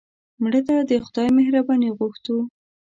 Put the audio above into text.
مړه ته د خدای مهرباني غوښتو